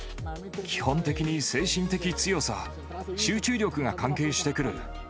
基本的に精神的強さ、集中力が関係してくる。